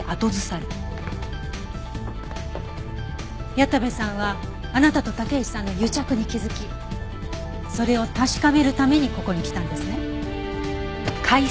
矢田部さんはあなたと武石さんの癒着に気づきそれを確かめるためにここに来たんですね？